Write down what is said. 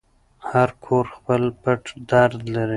هر کور خپل پټ درد لري.